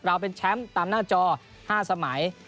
เราเป็นแชมป์ตามหน้าจอ๕สมัย